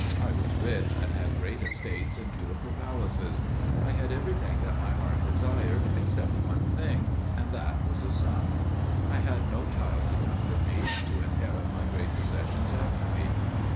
I was rich, and had great estates and beautiful palaces; I had everything that my heart desired, except one thing: and that was, a son. I had no child to comfort me and to inherit my great possessions after me.